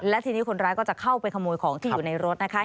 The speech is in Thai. และทีนี้คนร้ายก็จะเข้าไปขโมยของที่อยู่ในรถนะคะ